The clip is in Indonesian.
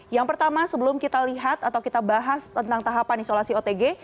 yang pertama sebelum kita lihat atau kita bahas tentang tahapan isolasi otg